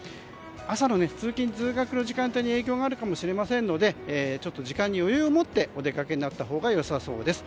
朝の通勤・通学の時間帯に影響があるかもしれませんので時間に余裕をもってお出かけになったほうが良さそうです。